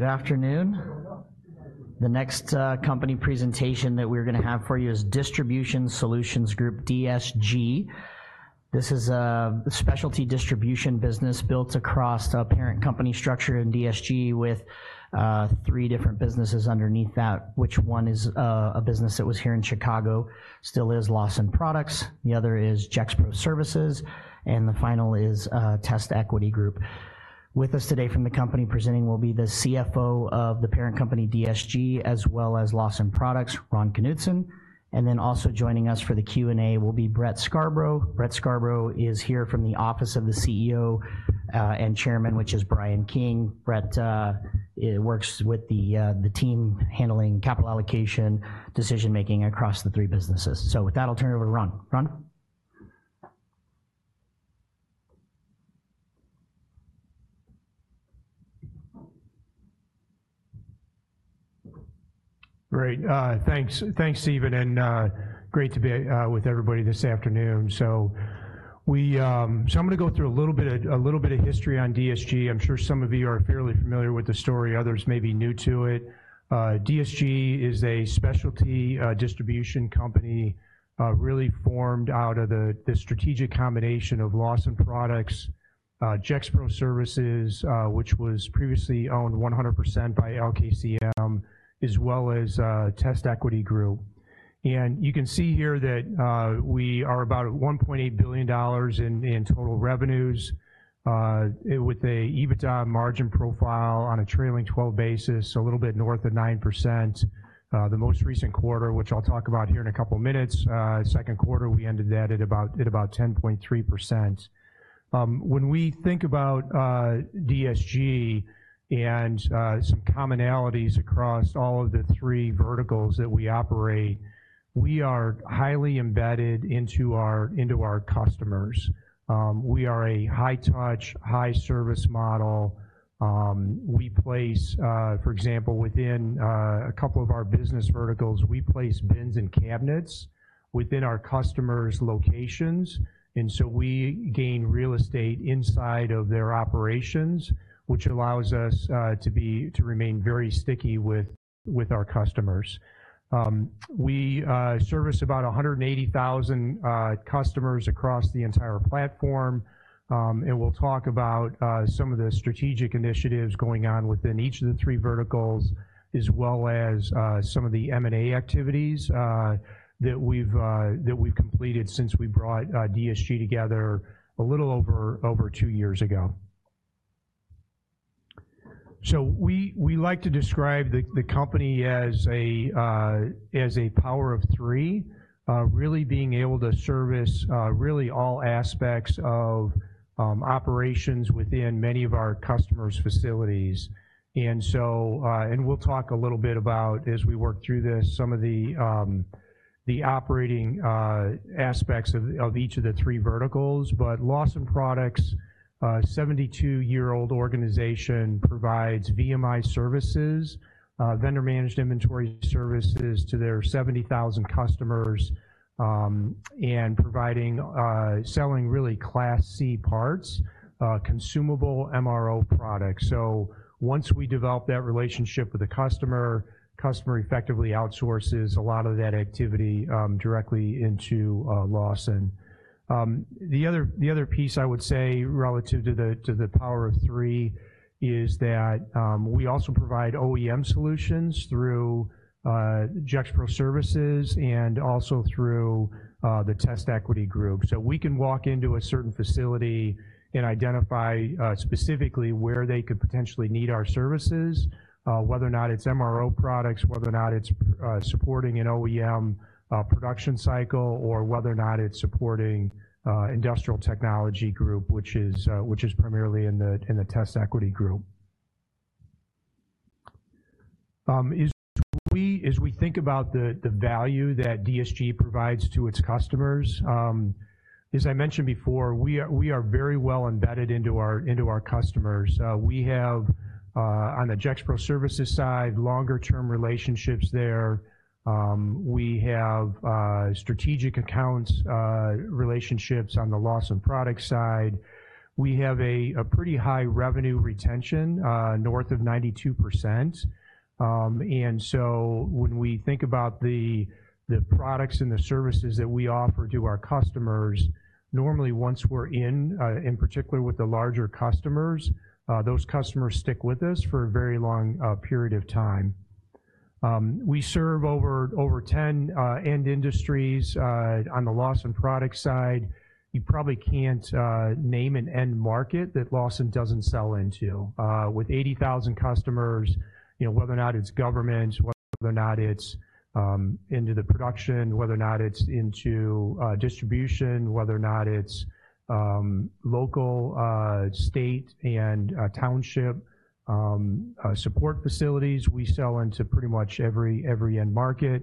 Good afternoon. The next company presentation that we're gonna have for you is Distribution Solutions Group, DSG. This is a specialty distribution business built across a parent company structure in DSG with three different businesses underneath that, which one is a business that was here in Chicago, still is Lawson Products. The other is Gexpro Services, and the final is TestEquity Group. With us today from the company presenting will be the CFO of the parent company, DSG, as well as Lawson Products, Ron Knutson, and then also joining us for the Q&A will be Brett Scarborough. Brett Scarborough is here from the office of the CEO and chairman, which is Brian King. Brett works with the team handling capital allocation, decision-making across the three businesses. So with that, I'll turn it over to Ron. Ron? Great. Thanks. Thanks, Steven, and great to be with everybody this afternoon, so I'm gonna go through a little bit, a little bit of history on DSG. I'm sure some of you are fairly familiar with the story. Others may be new to it. DSG is a specialty distribution company really formed out of the strategic combination of Lawson Products, Gexpro Services, which was previously owned 100% by LKCM, as well as TestEquity Group. And you can see here that we are about $1.8 billion in total revenues with a EBITDA margin profile on a trailing twelve basis, so a little bit north of 9%. The most recent quarter, which I'll talk about here in a couple of minutes, Q2, we ended that at about 10.3%. When we think about DSG and some commonalities across all of the three verticals that we operate, we are highly embedded into our customers. We are a high touch, high service model. We place, for example, within a couple of our business verticals, bins and cabinets within our customers' locations, and so we gain real estate inside of their operations, which allows us to remain very sticky with our customers. We service about 180,000 customers across the entire platform. And we'll talk about some of the strategic initiatives going on within each of the three verticals, as well as some of the M&A activities that we've completed since we brought DSG together a little over two years ago. So we like to describe the company as a power of three, really being able to service really all aspects of operations within many of our customers' facilities. And so and we'll talk a little bit about, as we work through this, some of the operating aspects of each of the three verticals. But Lawson Products, a 72-year-old organization, provides VMI services, Vendor Managed Inventory services, to their 70,000 customers, and providing, selling really Class C parts, consumable MRO products. Once we develop that relationship with the customer, the customer effectively outsources a lot of that activity directly into Lawson. The other piece I would say, relative to the power of three, is that we also provide OEM solutions through Gexpro Services and also through the TestEquity Group. We can walk into a certain facility and identify specifically where they could potentially need our services, whether or not it's MRO products, whether or not it's supporting an OEM production cycle, or whether or not it's supporting industrial technology group, which is primarily in the TestEquity Group. As we think about the value that DSG provides to its customers, as I mentioned before, we are very well embedded into our customers. We have on the Gexpro Services side, longer term relationships there. We have strategic accounts relationships on the Lawson Products side. We have a pretty high revenue retention north of 92%. And so when we think about the products and the services that we offer to our customers, normally, once we're in, in particular with the larger customers, those customers stick with us for a very long period of time. We serve over 10 end industries on the Lawson Products side. You probably can't name an end market that Lawson doesn't sell into. With eighty thousand customers, you know, whether or not it's government, whether or not it's into the production, whether or not it's into distribution, whether or not it's local, state, and township support facilities, we sell into pretty much every end market.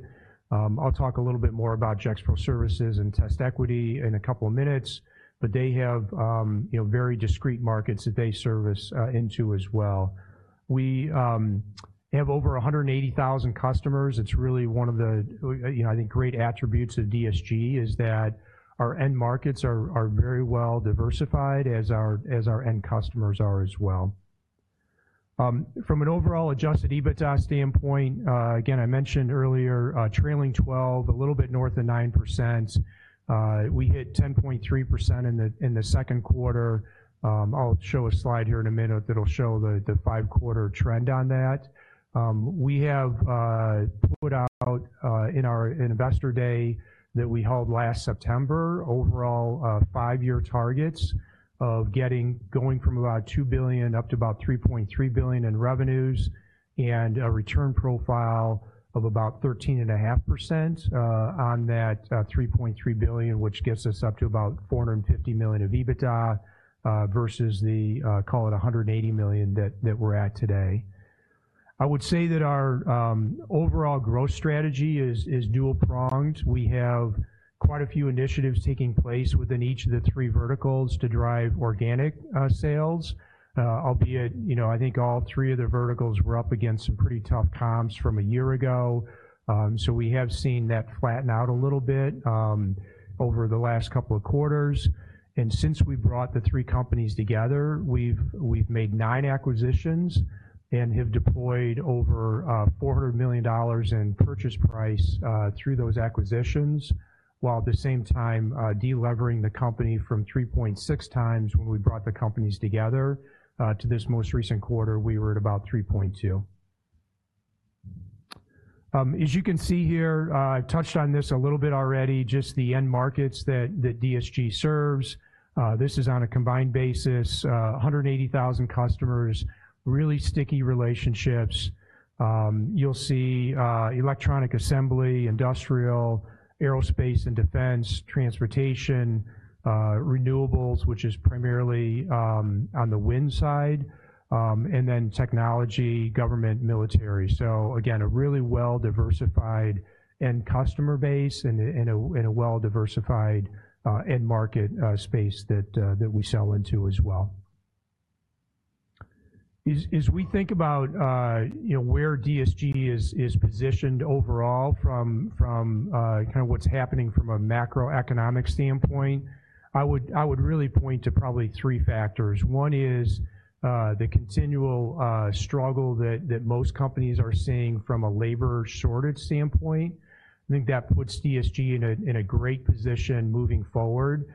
I'll talk a little bit more about Gexpro Services and TestEquity in a couple of minutes, but they have, you know, very discrete markets that they service into as well. We have over a hundred and eighty thousand customers. It's really one of the, you know, I think great attributes of DSG is that our end markets are very well diversified as our end customers are as well. From an overall adjusted EBITDA standpoint, again, I mentioned earlier, trailing twelve, a little bit north of 9%. We hit 10.3% in the Q2. I'll show a slide here in a minute that'll show the five-quarter trend on that. We have put out in our investor day that we held last September, overall, five-year targets of getting going from about $2 billion up to about $3.3 billion in revenues, and a return profile of about 13.5% on that $3.3 billion, which gets us up to about $450 million of EBITDA versus the call it $180 million that we're at today. I would say that our overall growth strategy is dual pronged. We have quite a few initiatives taking place within each of the three verticals to drive organic sales. Albeit, you know, I think all three of the verticals were up against some pretty tough comps from a year ago. So we have seen that flatten out a little bit over the last couple of quarters. And since we brought the three companies together, we've made nine acquisitions and have deployed over $400 million in purchase price through those acquisitions, while at the same time delevering the company from 3.6 times when we brought the companies together to this most recent quarter, we were at about 3.2. As you can see here, I've touched on this a little bit already, just the end markets that DSG serves. This is on a combined basis, a hundred and eighty thousand customers, really sticky relationships. You'll see, electronic assembly, industrial, aerospace and defense, transportation, renewables, which is primarily on the wind side, and then technology, government, military. So again, a really well-diversified end customer base and a well-diversified end market space that we sell into as well. As we think about, you know, where DSG is positioned overall from what's happening from a macroeconomic standpoint, I would really point to probably three factors. One is, the continual struggle that most companies are seeing from a labor shortage standpoint. I think that puts DSG in a great position moving forward.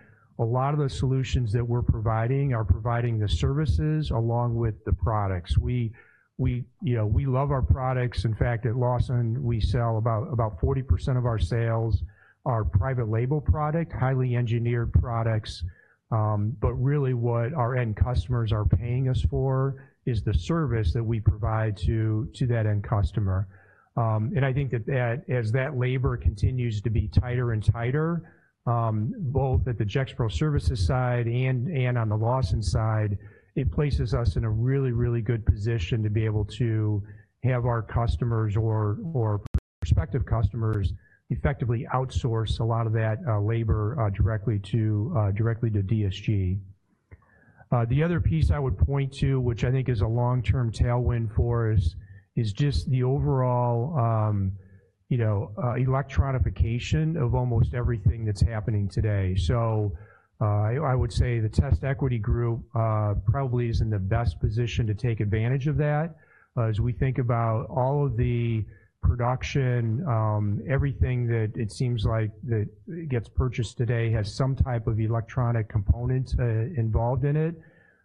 A lot of the solutions that we're providing are providing the services along with the products. We, you know, we love our products. In fact, at Lawson, we sell about 40% of our sales are private label product, highly engineered products, but really what our end customers are paying us for is the service that we provide to that end customer, and I think that as that labor continues to be tighter and tighter, both at the Gexpro Services side and on the Lawson side, it places us in a really good position to be able to have our customers or prospective customers effectively outsource a lot of that labor directly to DSG. The other piece I would point to, which I think is a long-term tailwind for us, is just the overall, you know, electronification of almost everything that's happening today. So, I would say the TestEquity Group probably is in the best position to take advantage of that. As we think about all of the production, everything that it seems like that gets purchased today has some type of electronic component involved in it.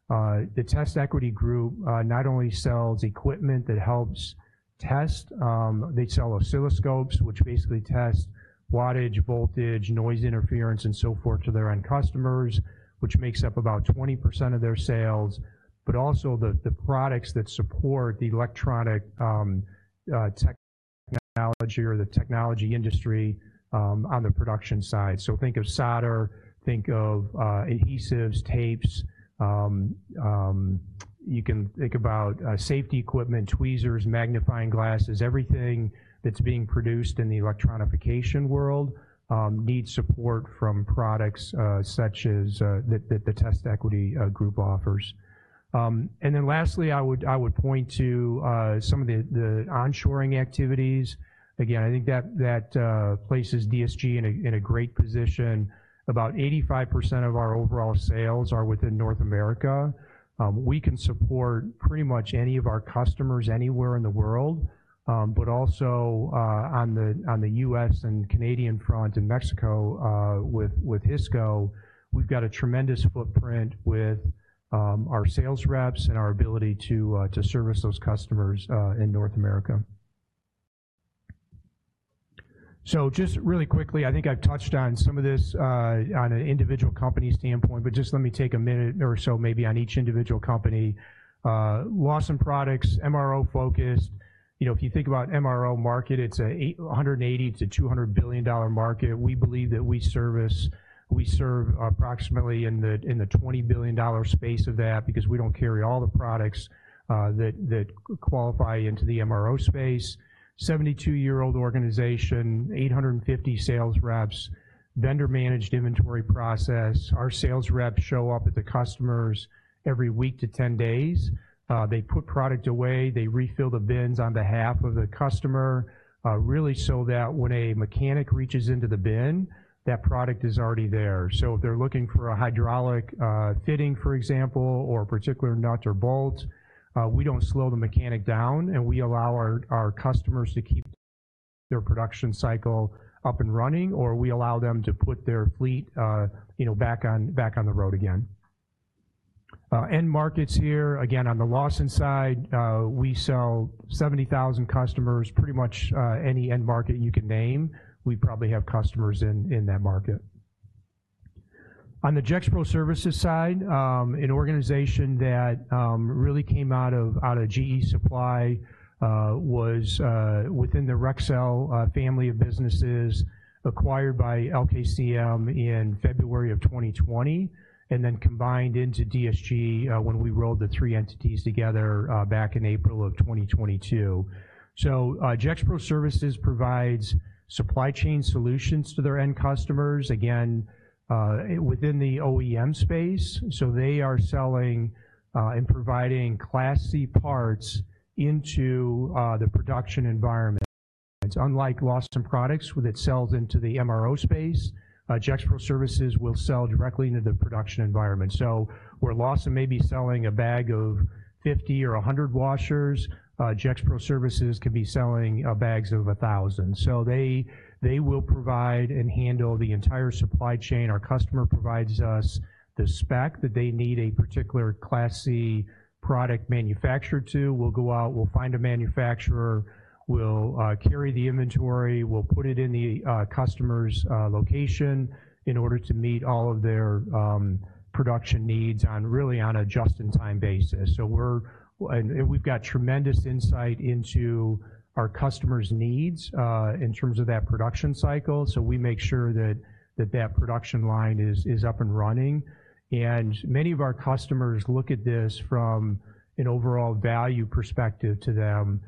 The TestEquity Group not only sells equipment that helps test, they sell oscilloscopes, which basically test wattage, voltage, noise interference, and so forth to their end customers, which makes up about 20% of their sales, but also the products that support the electronic technology or the technology industry on the production side. So think of solder, think of adhesives, tapes, you can think about safety equipment, tweezers, magnifying glasses, everything that's being produced in the electronification world needs support from products such as that the TestEquity Group offers. And then lastly, I would point to some of the onshoring activities. Again, I think that places DSG in a great position. About 85% of our overall sales are within North America. We can support pretty much any of our customers anywhere in the world, but also on the U.S. and Canadian front and Mexico, with Hisco, we've got a tremendous footprint with our sales reps and our ability to service those customers in North America. Just really quickly, I think I've touched on some of this, on an individual company standpoint, but just let me take a minute or so maybe on each individual company. Lawson Products, MRO-focused. You know, if you think about MRO market, it's an $80 billion-$200 billion dollar market. We believe that we serve approximately in the $20 billion space of that, because we don't carry all the products that qualify into the MRO space. 72-year-old organization, 850 sales reps, vendor-managed inventory process. Our sales reps show up at the customers' every week to 10 days. They put product away, they refill the bins on behalf of the customer, really so that when a mechanic reaches into the bin, that product is already there. So if they're looking for a hydraulic fitting, for example, or a particular nuts or bolts, we don't slow the mechanic down, and we allow our customers to keep their production cycle up and running, or we allow them to put their fleet, you know, back on the road again. End markets here, again, on the Lawson side, we sell seventy thousand customers. Pretty much, any end market you can name, we probably have customers in that market. On the Gexpro Services side, an organization that really came out of GE Supply, was within the Rexel family of businesses, acquired by LKCM in February of 2020, and then combined into DSG, when we rolled the three entities together, back in April of 2022. So, Gexpro Services provides supply chain solutions to their end customers, again, within the OEM space. So they are selling and providing Class C parts into the production environment. Unlike Lawson Products, which it sells into the MRO space, Gexpro Services will sell directly into the production environment. So where Lawson may be selling a bag of 50 or 100 washers, Gexpro Services can be selling bags of 1000. So they will provide and handle the entire supply chain. Our customer provides us the spec that they need a particular Class C product manufactured to. We'll go out, we'll find a manufacturer, we'll carry the inventory, we'll put it in the customer's location in order to meet all of their production needs on really on a just-in-time basis. We've got tremendous insight into our customer's needs in terms of that production cycle, so we make sure that production line is up and running, and many of our customers look at this from an overall value perspective to them.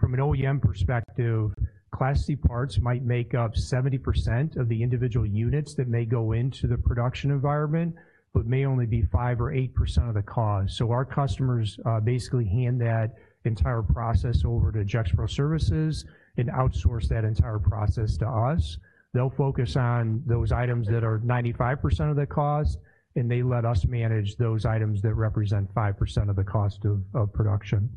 From an OEM perspective, Class C parts might make up 70% of the individual units that may go into the production environment, but may only be 5% or 8% of the cost, so our customers basically hand that entire process over to Gexpro Services and outsource that entire process to us. They'll focus on those items that are 95% of the cost, and they let us manage those items that represent 5% of the cost of production.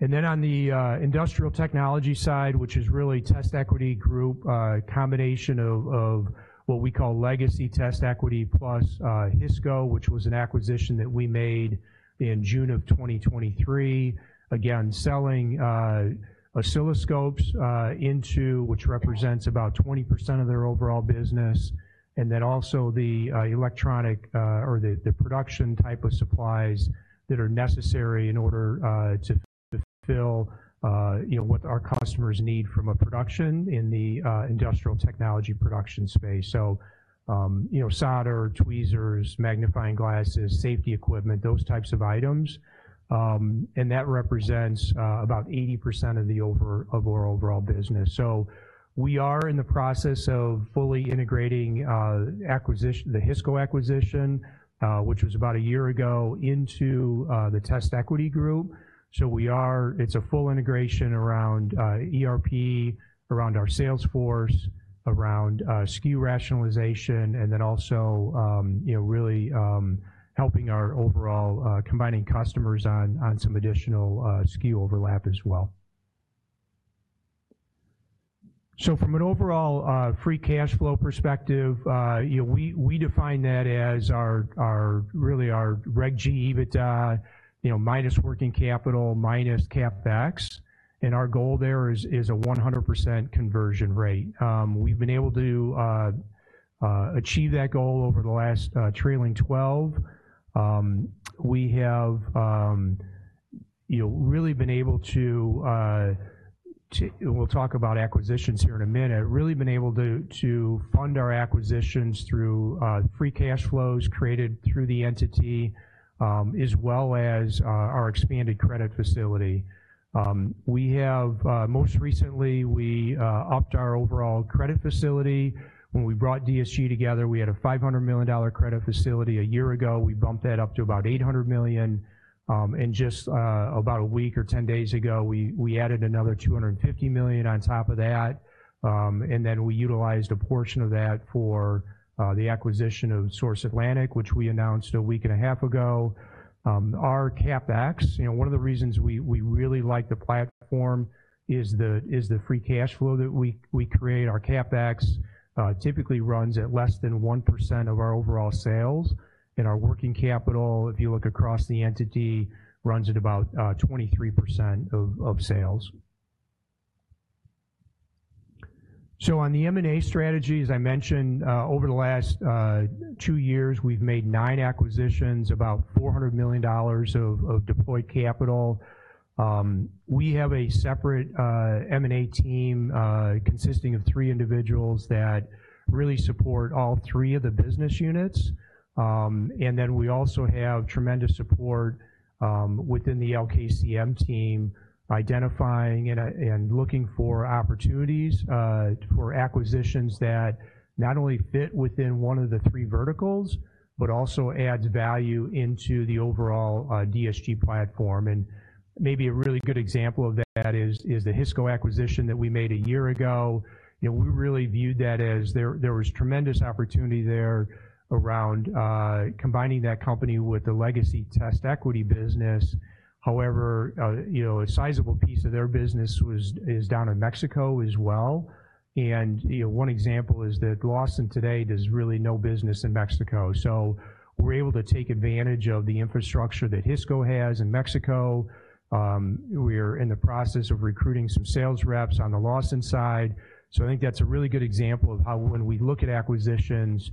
And then on the Industrial Technology side, which is really TestEquity Group, a combination of what we call legacy TestEquity plus Hisco, which was an acquisition that we made in June of 2023. Again, selling oscilloscopes, which represents about 20% of their overall business, and then also the electronic or the production type of supplies that are necessary in order to fulfill you know what our customers need from a production in the industrial technology production space. So you know solder, tweezers, magnifying glasses, safety equipment, those types of items. And that represents about 80% of our overall business. So we are in the process of fully integrating the Hisco acquisition, which was about a year ago, into the TestEquity Group. So we are—it's a full integration around ERP, around our sales force, around SKU rationalization, and then also, you know, really helping our overall combining customers on some additional SKU overlap as well. So from an overall free cash flow perspective, you know, we define that as really our Reg G EBITDA, you know, minus working capital, minus CapEx, and our goal there is a 100% conversion rate. We've been able to achieve that goal over the last trailing twelve. We have, you know, really been able to. We'll talk about acquisitions here in a minute, really been able to fund our acquisitions through free cash flows created through the entity, as well as our expanded credit facility. We have most recently upped our overall credit facility. When we brought DSG together, we had a $500 million credit facility. A year ago, we bumped that up to about $800 million, and just about a week or ten days ago, we added another $250 million on top of that, and then we utilized a portion of that for the acquisition of Source Atlantic, which we announced a week and a half ago. Our CapEx, you know, one of the reasons we really like the platform is the free cash flow that we create. Our CapEx typically runs at less than 1% of our overall sales, and our working capital, if you look across the entity, runs at about 23% of sales. So on the M&A strategy, as I mentioned, over the last two years, we've made nine acquisitions, about $400 million of deployed capital. We have a separate M&A team consisting of three individuals that really support all three of the business units. And then we also have tremendous support within the LKCM team, identifying and looking for opportunities for acquisitions that not only fit within one of the three verticals, but also adds value into the overall DSG platform. And maybe a really good example of that is the Hisco acquisition that we made a year ago. You know, we really viewed that as there was tremendous opportunity there around combining that company with the legacy TestEquity business. However, you know, a sizable piece of their business was-- is down in Mexico as well, and you know, one example is that Lawson today does really no business in Mexico. So we're able to take advantage of the infrastructure that Hisco has in Mexico. We are in the process of recruiting some sales reps on the Lawson side. So I think that's a really good example of how when we look at acquisitions,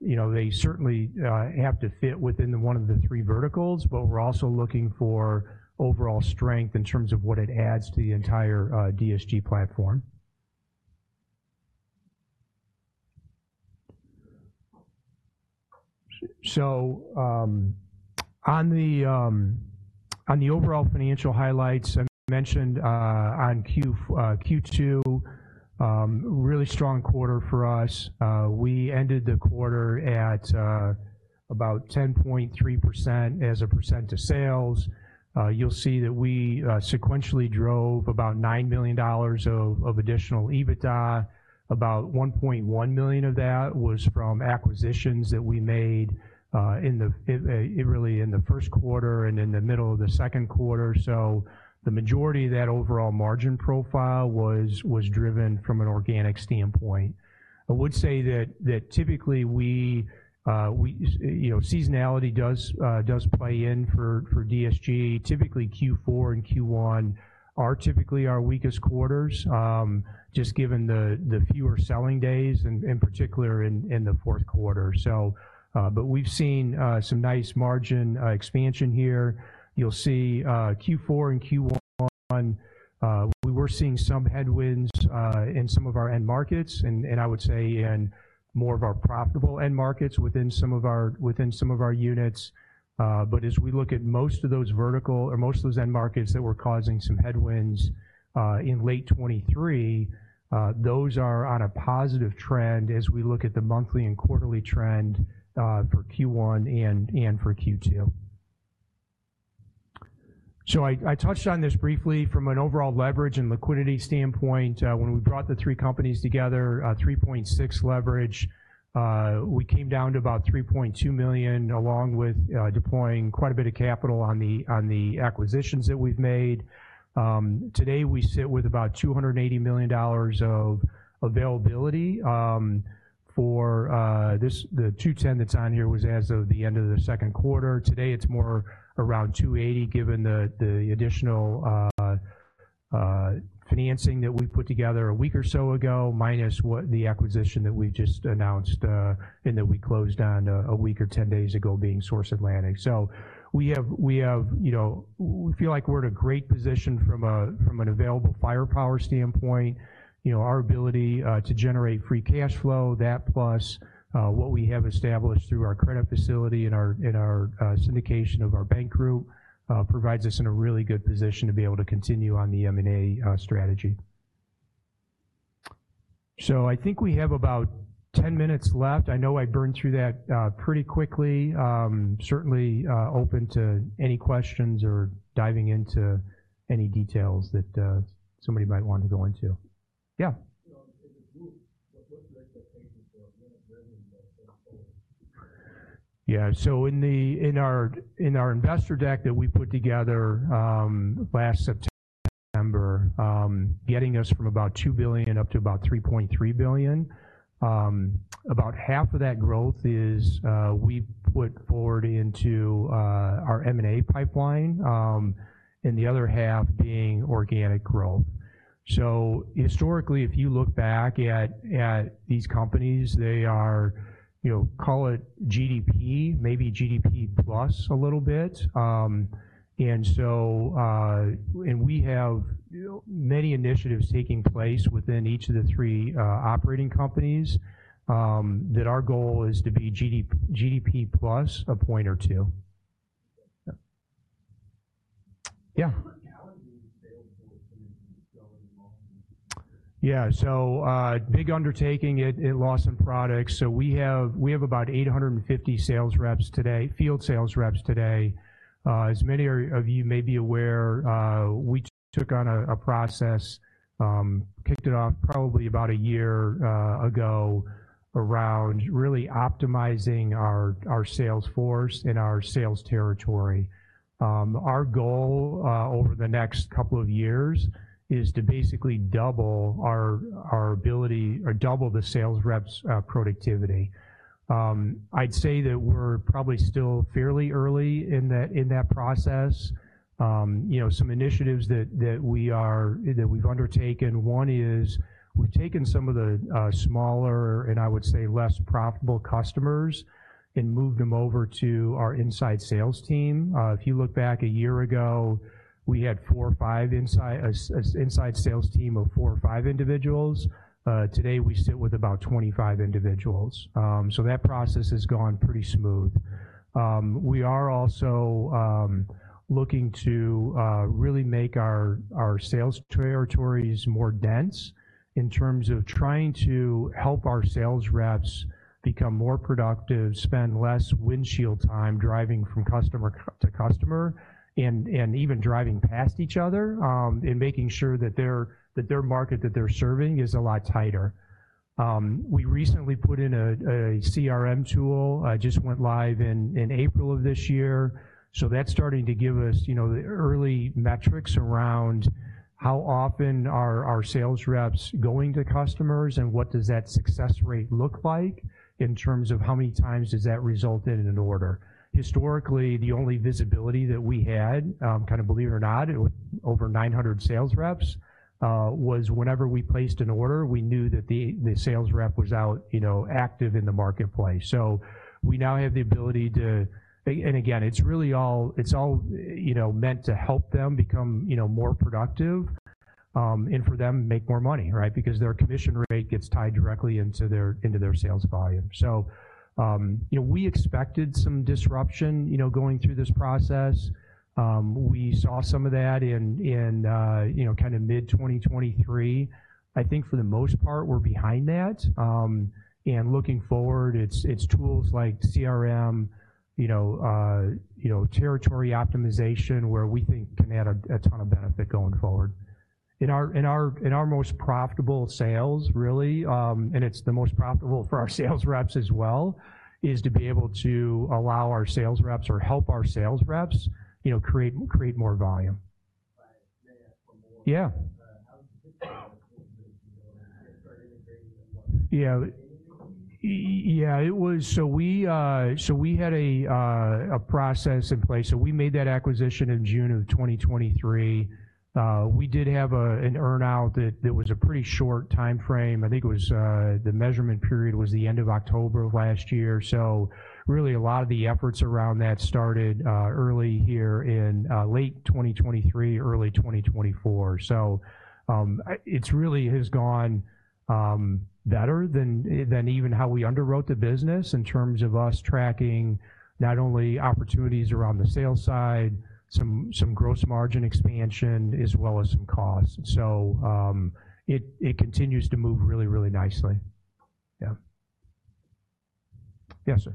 you know, they certainly have to fit within one of the three verticals, but we're also looking for overall strength in terms of what it adds to the entire DSG platform. So on the overall financial highlights, I mentioned on Q2 really strong quarter for us. We ended the quarter at about 10.3% of sales. You'll see that we sequentially drove about $9 million of additional EBITDA. About $1.1 million of that was from acquisitions that we made in the really in the Q1 and in the middle of the Q2. So the majority of that overall margin profile was driven from an organic standpoint. I would say that typically we, you know, seasonality does play in for DSG. Typically, Q4 and Q1 are typically our weakest quarters just given the fewer selling days, in particular in the Q4. So but we've seen some nice margin expansion here. You'll see Q4 and Q1, we were seeing some headwinds in some of our end markets, and I would say in more of our profitable end markets within some of our units. But as we look at most of those verticals or most of those end markets that were causing some headwinds in late 2023, those are on a positive trend as we look at the monthly and quarterly trend for Q1 and for Q2. So I touched on this briefly. From an overall leverage and liquidity standpoint, when we brought the three companies together, 3.6 leverage, we came down to about 3.2, along with deploying quite a bit of capital on the acquisitions that we've made. Today, we sit with about $280 million of availability. The $210 that's on here was as of the end of the Q2. Today, it's more around $280, given the additional financing that we put together a week or so ago, minus what the acquisition that we just announced and that we closed on a week or ten days ago, being Source Atlantic. So we have, you know, we feel like we're in a great position from an available firepower standpoint. You know, our ability to generate free cash flow, that plus what we have established through our credit facility and our syndication of our bank group provides us in a really good position to be able to continue on the M&A strategy. So I think we have about ten minutes left. I know I burned through that pretty quickly. Certainly open to any questions or diving into any details that somebody might want to go into? You know, as a group, what's the expectation for revenue growth? So in our investor deck that we put together last September, getting us from about $2 billion up to about $3.3 billion, about half of that growth is we put forward into our M&A pipeline, and the other half being organic growth. So historically, if you look back at these companies, they are, you know, call it GDP, maybe GDP plus a little bit. And so and we have many initiatives taking place within each of the three operating companies that our goal is to be GDP plus a point or two? How is the sales force going to involve? So a big undertaking at Lawson Products. So we have about 850 sales reps today, field sales reps today. As many of you may be aware, we took on a process, kicked it off probably about a year ago, around really optimizing our sales force and our sales territory. Our goal over the next couple of years is to basically double our ability or double the sales reps' productivity. I'd say that we're probably still fairly early in that process. You know, some initiatives that we've undertaken, one is we've taken some of the smaller, and I would say, less profitable customers and moved them over to our inside sales team. If you look back a year ago, we had four or five an inside sales team of four or five individuals. Today, we sit with about 25 individuals. So that process has gone pretty smooth. We are also looking to really make our sales territories more dense in terms of trying to help our sales reps become more productive, spend less windshield time driving from customer to customer, and even driving past each other, and making sure that their market that they're serving is a lot tighter. We recently put in a CRM tool, just went live in April of this year. So that's starting to give us, you know, the early metrics around how often are our sales reps going to customers, and what does that success rate look like in terms of how many times does that result in an order? Historically, the only visibility that we had, believe it or not, with over 900 sales reps, was whenever we placed an order, we knew that the sales rep was out, you know, active in the marketplace. So we now have the ability to, and again, it's really all, you know, meant to help them become, you know, more productive, and for them, make more money, right? Because their commission rate gets tied directly into their sales volume. So, you know, we expected some disruption, you know, going through this process. We saw some of that in, you know, mid-2023. I think for the most part, we're behind that. Looking forward, it's tools like CRM, you know, you know, territory optimization, where we think can add a ton of benefit going forward. In our most profitable sales, really, and it's the most profitable for our sales reps as well, is to be able to allow our sales reps or help our sales reps, you know, create more volume. May I ask for more? How did you start integrating them? It was. So we had a process in place. So we made that acquisition in June of 2023. We did have an earn-out that was a pretty short time frame. I think it was the measurement period was the end of October of last year. So really, a lot of the efforts around that started early here in late 2023, early 2024. So, it's really has gone better than even how we underwrote the business in terms of us tracking not only opportunities around the sales side, some gross margin expansion, as well as some costs. So, it continues to move really, really nicely. Yes, sir?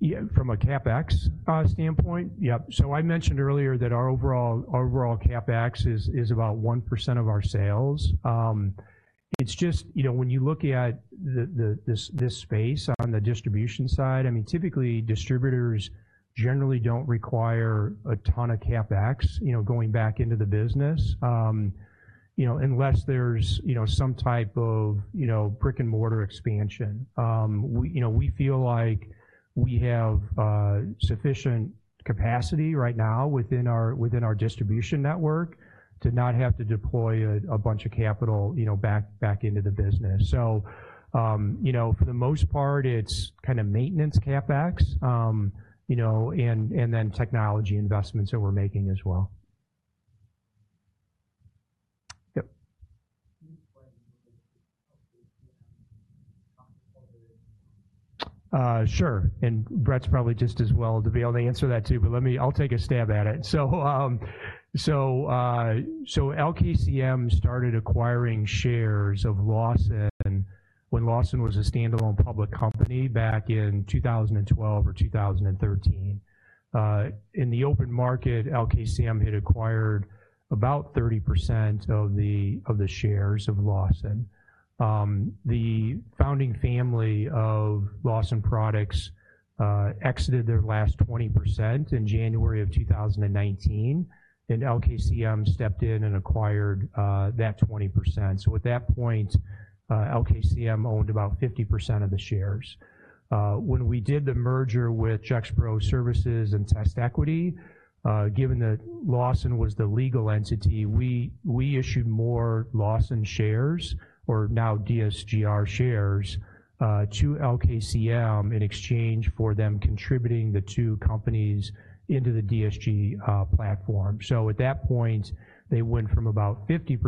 Can you talk about how you're maintaining this type of business with special CapEx, because what makes the business so capital intensive? From a CapEx standpoint? Yep. So I mentioned earlier that our overall CapEx is about 1% of our sales. It's just, you know, when you look at this space on the distribution side, I mean, typically, distributors generally don't require a ton of CapEx, you know, going back into the business, you know, unless there's some type of brick-and-mortar expansion. We, you know, we feel like we have sufficient capacity right now within our distribution network to not have to deploy a bunch of capital, you know, back into the business. So, you know, for the most part, it's maintenance CapEx, you know, and then technology investments that we're making as well. Yep. Can you explain the... Sure, and Brett's probably just as well to be able to answer that, too, but let me, I'll take a stab at it, so LKCM started acquiring shares of Lawson when Lawson was a standalone public company back in two thousand and twelve or two thousand and thirteen. In the open market, LKCM had acquired about 30% of the shares of Lawson. The founding family of Lawson Products exited their last 20% in January of two thousand and nineteen, and LKCM stepped in and acquired that 20%. So at that point, LKCM owned about 50% of the shares. When we did the merger with Gexpro Services and TestEquity, given that Lawson was the legal entity, we, we issued more Lawson shares, or now DSGR shares, to LKCM in exchange for them contributing the two companies into the DSG platform. So at that point, they went from about 50%.